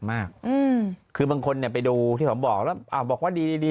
มากอืมคือบางคนเนี่ยไปดูที่ผมบอกแล้วอ่าบอกว่าดีดี